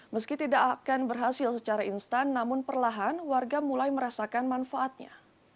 meski tidak akan berhasil secara instan namun perlahan warga mulai merasakan manfaatnya